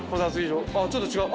ちょっと違う。